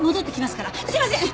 すみません！